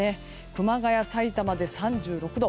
熊谷、さいたまで３６度。